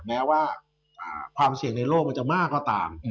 แม้ว่าความเสี่ยงในโลกมันจะมากก็ตาม